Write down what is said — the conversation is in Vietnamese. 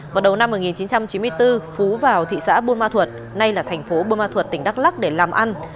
vào đầu năm một nghìn chín trăm chín mươi bốn phú vào thị xã buôn ma thuật nay là thành phố bôn ma thuật tỉnh đắk lắc để làm ăn